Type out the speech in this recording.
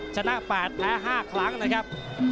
ชนะ๘แพ้๕ครั้งนะครับ